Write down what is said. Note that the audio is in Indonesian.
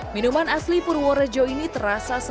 minuman asli purworejo ini terasa sangat sedap